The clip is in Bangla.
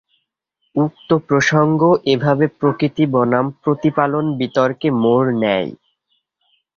উক্ত প্রসঙ্গ এভাবে প্রকৃতি বনাম প্রতিপালন বিতর্কে মোড় নেয়।